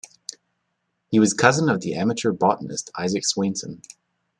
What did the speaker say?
He was cousin of the amateur botanist Isaac Swainson.